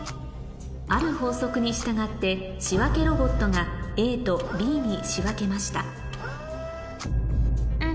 ある法則に従って仕分けロボットがＡとＢに仕分けましたん？